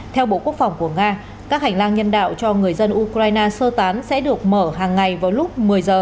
theo bộ quốc phòng của nga các hành lang nhân đạo cho người dân ukraine sơ tán sẽ được mở hàng ngày vào lúc một mươi h